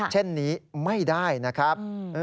เช่นนี้ไม่ได้นะครับ